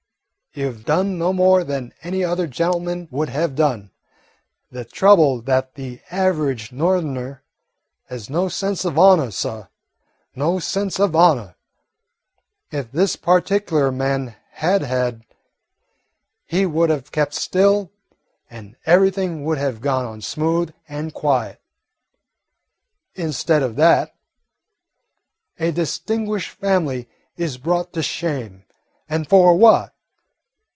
"You 've done no more than any other gentleman would have done. The trouble is that the average Northerner has no sense of honour, suh, no sense of honour. If this particular man had had, he would have kept still, and everything would have gone on smooth and quiet. Instead of that, a distinguished family is brought to shame, and for what?